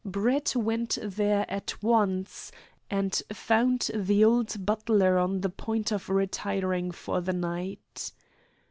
Brett went there at once, and found the old butler on the point of retiring for the night.